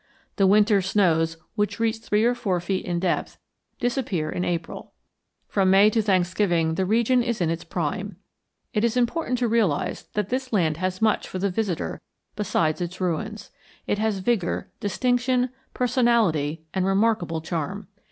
The winter snows, which reach three or four feet in depth, disappear in April. From May to Thanksgiving the region is in its prime. It is important to realize that this land has much for the visitor besides its ruins. It has vigor, distinction, personality, and remarkable charm.